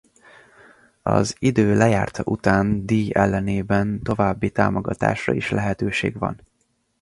Az idő lejárta után díj ellenében további támogatásra is lehetőség van.